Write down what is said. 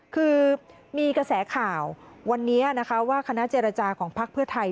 คือมีกระแสข่าววันนี้นะคะว่าคณะเจรจาของพักเพื่อไทย